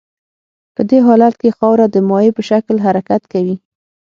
په دې حالت کې خاوره د مایع په شکل حرکت کوي